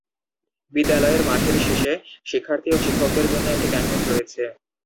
বিদ্যালয়ের মাঠের শেষে শিক্ষার্থী ও শিক্ষকদের জন্য একটি ক্যান্টিন রয়েছে।